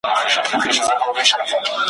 یوه ورځ غویی جلا سو له ګورمه `